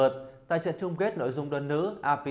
tiếp tục sẽ là diễn biến của môn quần vợt